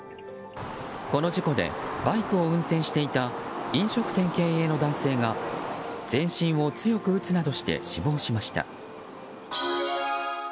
この事故でバイクを運転していた飲食店経営の男性が全身を強く打つなどして死亡しました。